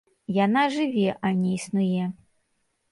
Яна жыве, а не існуе.